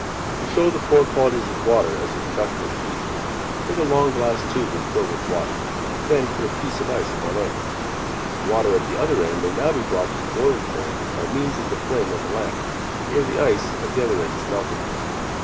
To show the poor qualities of water as a conductor of heat, take a long glass tube and fill with water. Then put a piece of ice in one end. The water at the other end may now be brought to the boiling point by means of the flame of a lamp, ere the ice at the other end is melted.